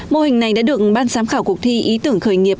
mô hình này đã được ban giám khảo cuộc thi ý tưởng khởi nghiệp